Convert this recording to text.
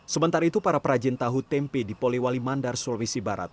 sementara itu para perajin tahu tempe di polewali mandar sulawesi barat